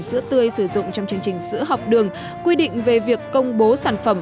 sữa tươi sử dụng trong chương trình sữa học đường quy định về việc công bố sản phẩm